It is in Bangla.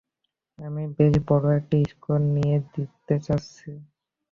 আমি বেশ বড় একটা স্কোর নিয়ে জিততে যাচ্ছি!